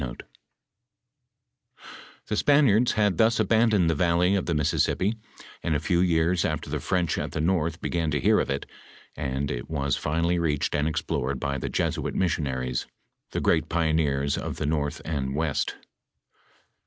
* The Spaniards had thus abandoned the valley of the Mis sissippi, and a few yeai s after the French at the north began to hear of it, and it was finally reached and explored by the Jesuit missionaries, the great pioneers of the north and west.